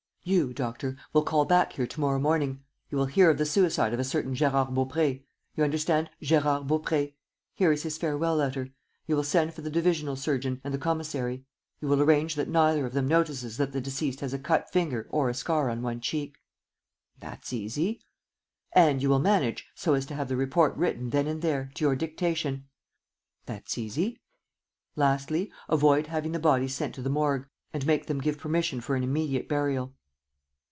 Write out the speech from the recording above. You, Doctor, will call back here to morrow morning; you will hear of the suicide of a certain Gérard Baupré: you understand, Gérard Baupré. Here is his farewell letter. You will send for the divisional surgeon and the commissary; you will arrange that neither of them notices that the deceased has a cut finger or a scar on one cheek. ..." "That's easy." "And you will manage so as to have the report written then and there, to your dictation." "That's easy." "Lastly, avoid having the body sent to the Morgue and make them give permission for an immediate burial."